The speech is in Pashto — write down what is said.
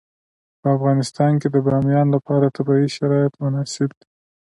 په افغانستان کې د بامیان لپاره طبیعي شرایط مناسب دي.